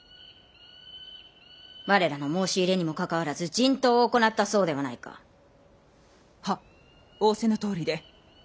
我らの申し入れにもかかわらず人痘を行ったそうではないか！は仰せのとおりで。